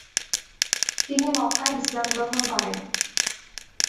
তিনি মক্কায় ইসলাম গ্রহণ করেন।